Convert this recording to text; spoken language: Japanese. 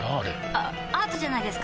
あアートじゃないですか？